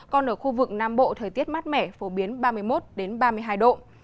còn ở khu vực nam bộ thời tiết mát mẻ phổ biến ba mươi một ba mươi hai độ